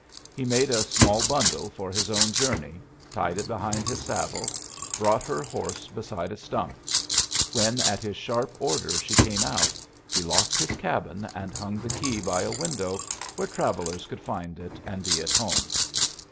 He made a small bundle for his own journey, tied it behind his saddle, brought her horse beside a stump. When at his sharp order she came out, he locked his cabin and hung the key by a window, where travellers could find it and be at home.